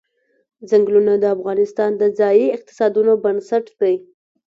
ځنګلونه د افغانستان د ځایي اقتصادونو بنسټ دی.